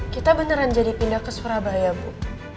kita beneran jadi pindah ke surabaya bu